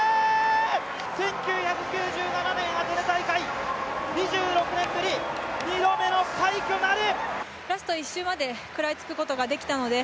１９９７年アテネ大会、２６年ぶり、２度目の快挙なる。